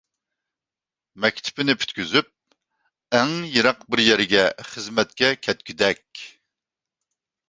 مەكتىپىنى پۈتكۈزۈپ ئەڭ يىراق بىر يەرگە خىزمەتكە كەتكۈدەك.